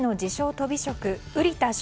とび職瓜田翔